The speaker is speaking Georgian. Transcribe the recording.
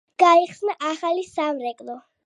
გაიხსნა ახალი სამრეკლო.